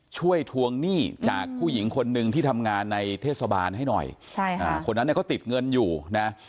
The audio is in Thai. ทวงหนี้จากผู้หญิงคนหนึ่งที่ทำงานในเทศบาลให้หน่อยใช่ค่ะคนนั้นเนี่ยเขาติดเงินอยู่นะ